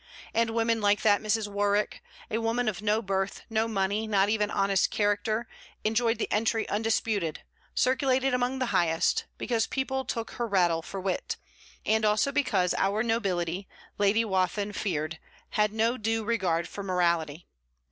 And women like that Mrs. Warwick, a woman of no birth, no money, not even honest character, enjoyed the entry undisputed, circulated among the highest: because people took her rattle for wit! and because also our nobility, Lady Wathin feared, had no due regard for morality.